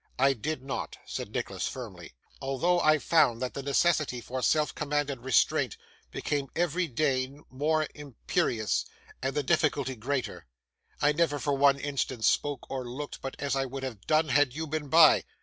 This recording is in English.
'I did not,' said Nicholas, firmly. 'Although I found that the necessity for self command and restraint became every day more imperious, and the difficulty greater, I never, for one instant, spoke or looked but as I would have done had you been by.